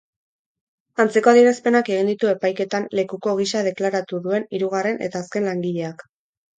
Antzeko adierazpenak egin ditu epaiketan lekuko gisa deklaratu duen hirugarren eta azken langileak.